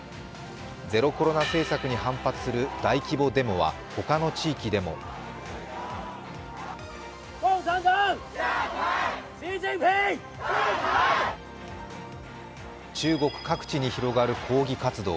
ゼロコロナ政策に反発する大規模デモは他の地域でも中国各地に広がる抗議活動。